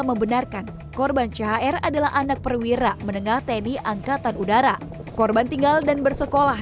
membenarkan korban chr adalah anak perwira menengah tni angkatan udara korban tinggal dan bersekolah